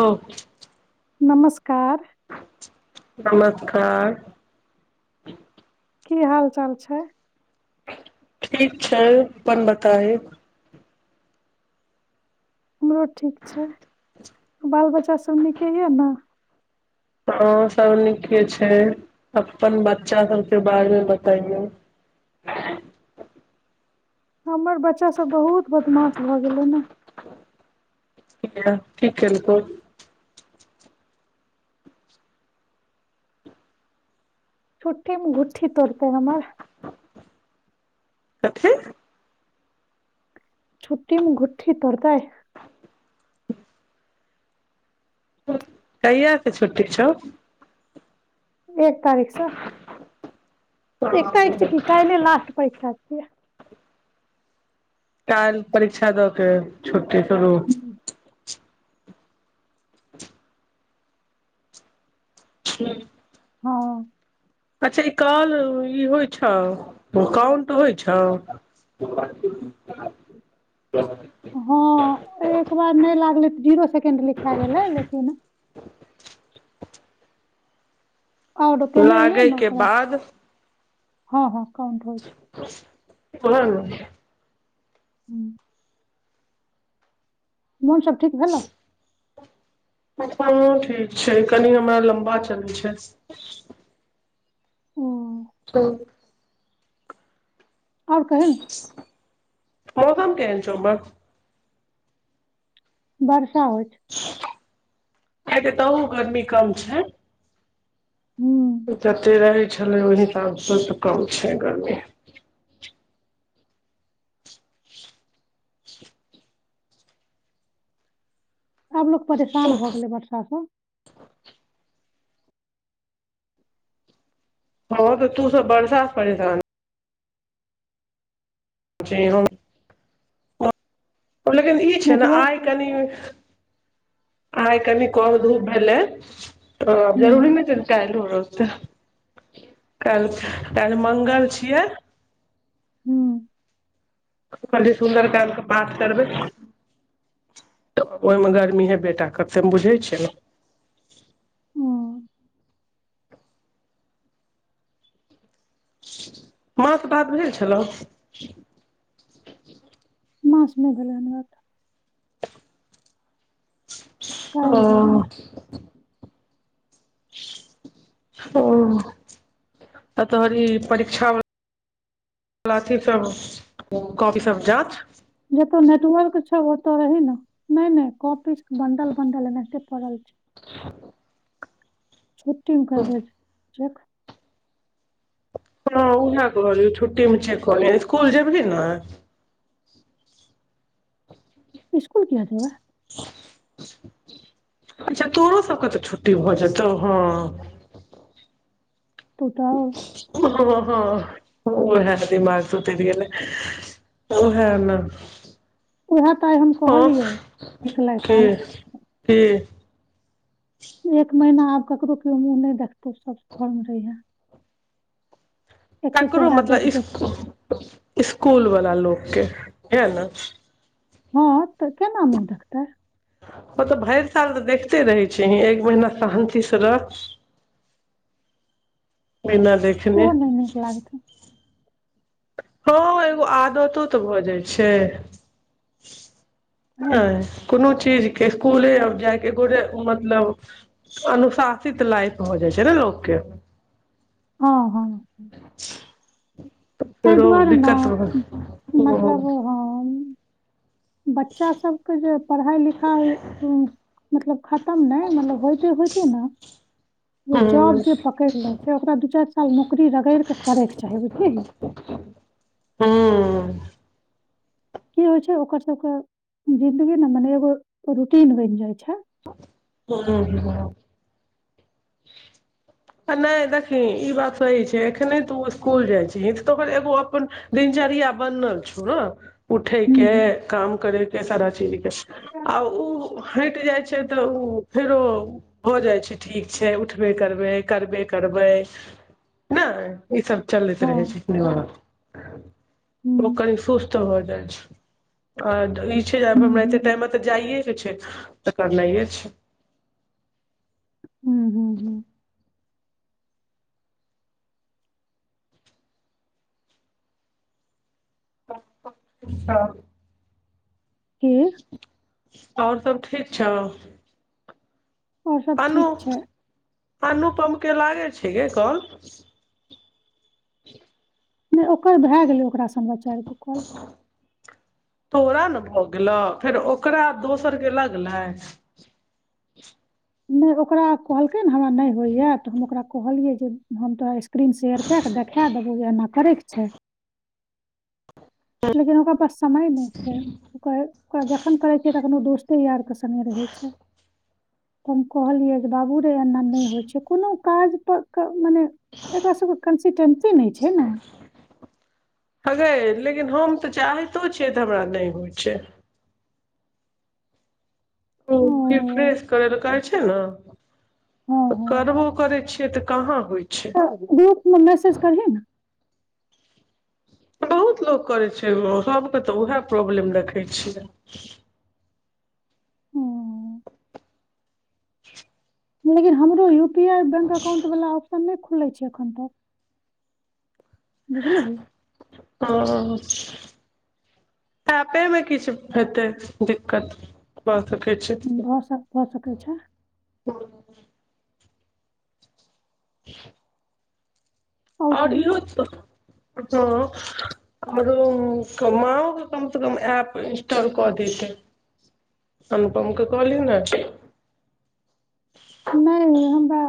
ओ नमस्कार नमस्कार की हाल चाल छै ठीक छै अपन बताही हमरो ठीक छै बाल बच्चा सब नीके यै ने हँ सब नीके छै अपन बच्चा सबके बारेमे बतैयौ हमर बच्चा सब बहुत बदमाश भऽ गेलनि या किया कि केलकौ छुट्टीमे घुट्ठी तोड़तै हमर कथि छुट्टिमे गुट्ठी तोड़तै कहिया से छुट्टी छौ एक तारीखसँ एक तारीख से की काल्हिये लास्ट परीक्षा छियै काल्हि परीक्षा दू के छुट्टी शुरू [unintelligible] हँ अच्छा ई कॉल ई होइ छौ ओ काउंट होइ छौ [unintelligible] [inaudible] हँ एक बार नहि लागलै तऽ जीरो सेकेंड लिखा गेलै लेकिन [inaudible] और केने रहियै लागे ने के ओकरा हँ हँ ओहै न ह्म मोन सब ठीक भेलौ हँ ठीक छै कनि हमरा लम्बा चलै छै ओ ठीक और कहीं ने मौसम केहेन छौ ओमहर वर्षा होइ छै आइ तऽ एतहु गरमी कम छै हुं। जते रहै छलै ओहि हिसाबसँ तऽ कम छै गर्मी आब लोक परेशान भए गेलै वर्षा से हँ तऽ तू सब बर्षा से परेशान छिही हम ओ लेकिन ई छै ने नेटवर्क आइ कनि आइ कनि कम धूप भेलै ओ हुँ, जरूरी नै छै काल्हि ओ रहतै काल्हि काल्हि मंगल छियै हूँ पंडित सुन्दरकाण्ड के पाठ करबै तऽ ओइमे गर्मी हेबेटा करतै हम बुझै छियै ना हूँ मा से बात भेल छलौ माँ सँ नै भेलइ हन बात ओ काल्हि भेल रहै ओ तऽ तोहर ई परीक्षा अथी सब कॉपी सब जाँच होते रही नै नै कॉपी के बंडल बंडल एनाहिते पड़ल छै [inaudible] छुट्टीमे करबै चेक हँ उहे कहलिऔ छुटीमे चेक कऽ लिहे स्कुल जेबही न? इसकुल किया जेबै। अच्छा तोरो सबके तऽ छुट्टी भऽ जेतौ हँ। तू तऽ ओ हँ हँ ओहे दिमाग से उतरि गेलै ओहे न उएह तऽ आइ हम हँ कहलियै निकलै कि काल कि एक महीना आब ककरो केओ मुँह नै देखतै सब घरमे रहिहें ककरो चेहरा देख मतलब देख कऽ स्कूल स्कूल वला लोक के हे नऽ हँ तऽ केना नै रहतै मतलब भरि साल तऽ देखते रहै छीही एक महीना शान्तिसँ रह बिना देखने ओहो नहि नीक लागतै हँ एगो आदतो तऽ भऽ जाइ छै ओएह ने नै कोनो चीज के स्कुले आर जायके एगो रे मतलब अनुशासित लाइफ भऽ जाइत छै न लोकके हँ हँ तै फेरो दुआरे न दिक्कत हुं हुं हुं मतलब ओ हँ बच्चा सबके जे पढ़ाइ लिखाइ मतलब खतम नइ मतलब होइते होइते न जे जॉब जे पकड़ि लै छैय ओकरा दू चारि साल नौकरी रगड़ि कऽ करयके चाही बुझलीहि। हँ की होइ छैय ओकर सबके जिन्दगी ने मने एगो रूटीन बनि जाइ छैय। हं [inaudible] आ नइ देखहि ई बात सही छैय एखने तू इसकुल जाइ छिही त एगो अपन दिन चर्या बनल छौ न उठै हूँ के काम करै के सारा चीज के हँ आ उ हटि जाइ छैय तऽ उ फेरो भऽ जाइ छैय ठीक छैय उठबे करबै करबे करबै। नइ ई सब चलैत रहै छैय। ओ हूँ कनि सुस्त हो जाइ छैय, आ छैय जे हूँ हमरा एते हूँ टाइम मे तऽ जाइय के छैय। तऽ करनाइए छैय। हूं हूं हूं हँ की आउर सब ठीक छौ? ओर सब अनु ठीक छैय। अनुपम के लागय छैय गे कॉल? नहि ओकर भए गेलै ओकरा से हमरा चारि गो कॉल। तोड़ा ने भऽ गेलौ फेर ओकरा दोसरके लगलै। [unintelligible] नहि ओकरा कहलकै ने हमरा नहि होइए तऽ हम ओकरा कहलियै जे हम तोरा स्क्रीन शेयर कए कऽ देखा देबौ जे एना करैके छैय। लेकिन ओकरा पास समय नहि छैय उ कहै जखन करै छैय तखनो दोस्ते यार के संघे रहै। रहै छैय हम कहलियै जे बाबू रे एना नहि होइ छैय कोनो काज पर मने एकरा सब के कंसीटेंसी नइ छैय ना। हगे लेकिन हम तऽ चाहतो छियै तऽ हमरा नहि होइ छैय। ओ रिफ्रेश करैला कहै छैय न। हँ तऽ हँ करबो करै छियै तऽ कहाँ होइ छै तऽ ग्रुपमे मैसेज करियौ न बहुत लोक करै छै सभके तऽ उएह प्रॉब्लम देखै छियै हँ लेकिन हमरो U P I bank account वला ऑप्शन नहि खुलै छै एखन तक बुझलिही ओ एपे मे किछु हेतै दिक्कत ब भऽ स भऽ सकै छैय। [inaudible] आओर ओर कही ईहो त तो आरो कमाओ के कम से कम एप इंस्टॉल कऽ दीतै। अनुपमके कले न छैय। [inaudible] नहि हमरा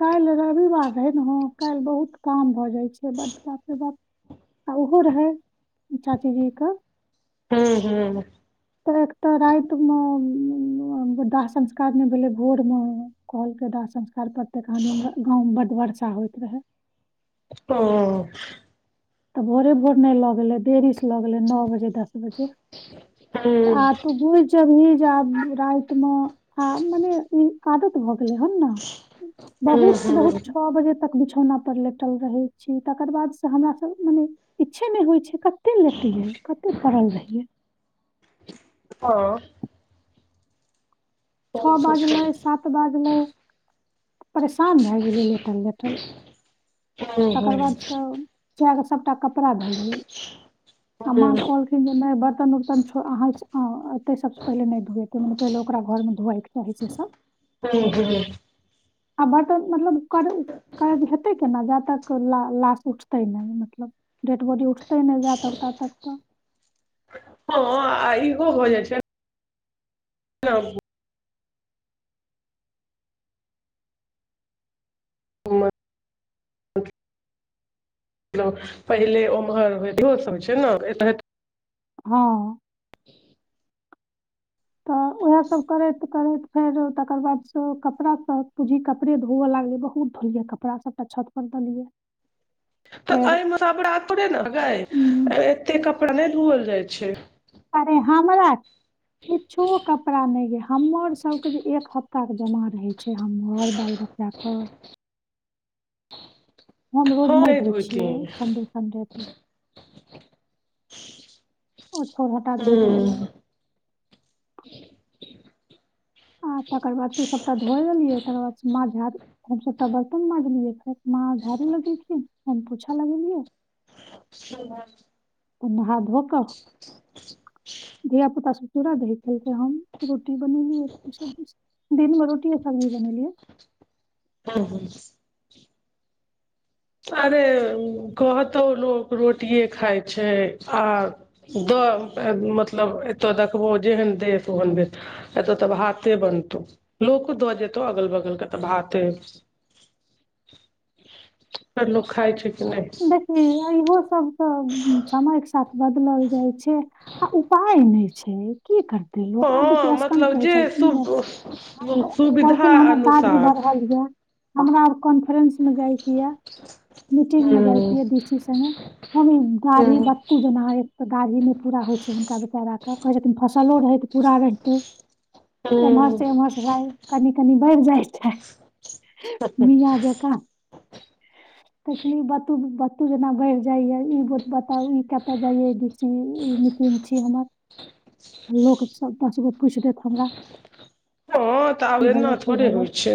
काहिल रविवार रहे न ह काहिल बहुत काम भऽ जाय बड बाप रे बाप आ ओहो रहै चाचीजीक। ह्म ह्म तऽ एकत रातिमे दाह संस्कार नहि भेलै भोरमे कलके दाह संस्कार प्रत्य क दिन गाँवमे बड्ड वर्षा होइत रहय ह्म तऽ भोरे भोर नहि ल गेलै देरी से ल गेलै नओ बजे दस बजे आ हूँ तू बूइझ जेबही जे आब राइत ने हं मने इ आदत भ [unintelligible] हूँ बहुत हूँ बहुत छ बजे तक बिछौना पर लेटल रहै छी तकर बाद से हमरा सब मने इच्छे नहि होइ छै कते लेटियै कते पड़ल रहियै छओ बाजलै सात बाजलै परेशान भए गेलै लेटल लेटल हँ हूँ तकर हूँ बादसँ चएके सभटा कपड़ा धोलियै आ माँ हूँ कहलखिन जे नहि बर्तन उर्तनो छो अहां एतै सबसँ पहिले नहि धुएते मने पहिले ओकरा घरमे धोआएके चाहै छै सब ह्म ह्म आ बर्तन मतलब करय काज हेतै केना जा कर ला लास उठतै नहि मतलब डेड बॉडी उठ ते नहि जा तक ता तक ओहो भऽ जाइ छै ह [unintelligible] हमर [unintelligible] पहिले ओम्हर होइ होसभ छै ने एतत हँ तऽ ओएह सब करैत करैत फेर तकर बादसँ कपड़ाँ पूँजी कपड़े धोअ लागलै बहुत य कपड़ा सबटा छतपर देलियै तऽ फेर एहिमे सबड़ा ोड़े ने ग उम, एते कपड़ा नहि धुअल जाइ छै अरे हामरा किछो कपड़ा नहि य हमर सभके जे एक हफ्ताके जमा रहै छै हमर बाल बच्चाके हम रोज नहि धोइ छियै संडे संडे के ओ छोड़ हटा धोइ देलियै आ तकर बाद से ओ सभटा धोइ लेलियै तकर बाद माँ झा रु हम सभटा बर्तन माँजलियै फेर माँ झाड़ू लगेलथिन हम पोछा लगेलियै [inaudible] त नहा धो क धिया पुता सब चुरा दही खेल क‌इ हम रोटी बनेलियय दिनमे रोटीये सबजी बनेलीयय। [unintelligible] अरे कहतौ लोक रोटिये खाय छैय आ द मतलब एतऽ देखबो जेहन देश ओहन भेस एतऽ तऽ भाते बनतौ। लोको दऽ देतौ अगल बगलके तऽ भाते [inaudible] तब लोक खाय छै कि नहि देखियौ इहो सब तऽ समयक साथ बदलल जाइ छै आ उपाय नहि छै की करत तै लोक आब देख हँ स्क्ग मतलब कहै जे छलखिन य सुब सुविधा कहलखिन हमर दाढी़ अनुसार बढ़ल यए हमरा आ कॉन्फ्रेंस मे जायके यऽ मीटिंग मे हूँ जायके यऽ डी सी संगे हम हुं दाढ़ी हूँ बत्तू जेना एक दाढ़ी नहि पूरा होइ छै हुनका बेचारा के कहै छथिन फ फसलो रह पूरा रहते एमहर से हूँ एमहर भाय कनि कनि बढ़ जाय मीया जकां बतू बतू जेना भरि जाइ या ई बत ब तब ई कतय जाइये डी सी ई मिटिंग छी हमर लोक सभ दस गो पूछि देत हमरा हँ तऽ आब की एना भेलौ की थोड़े भेलौ होइ छै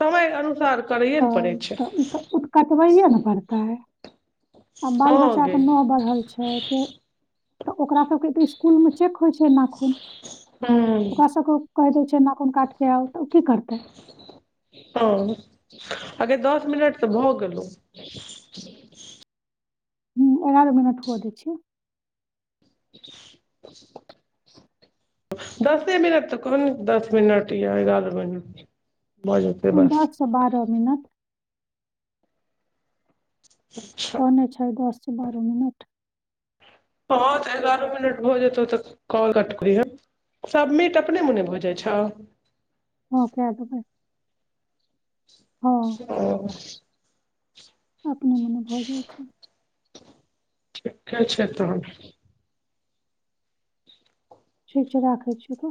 समय अनुसार करैए ने तऽ पड़ै छै तऽ ई उ तऽ कटबैए ने पड़तै आ बाल हँ गे बच्चाके नह बढ़ल छै के तऽ ओकरा सभके तऽ स्कूल में त चेक होइ छैय नाखून। ह ओकरा सबके [unintelligible] कहि दै छैय नाखुन काटी के आऊ। हँ अगे दस मिनट तऽ भऽ गेलहुँ। ह एगारह मिनट हुव दै छीयय। दसे मिनट त कोन दस मिनट या ग्यारह मिनट भऽ जेतै बस दससँ बारह मिनट। हँ कहने छैय दससँ बारह मिनट। हँ तऽ एगारह मिनट भ जेतौ तऽ कॉल कट करिहे। सभ मीट अपने मुने भऽ जाय छौ। [unintelligible] हँ ओ अपने मने भऽ जाय छैय। ठीके छैय त। ठीक छैय राखय छियव की।